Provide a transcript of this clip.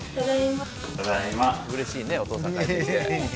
うれしいねお父さん帰ってきて。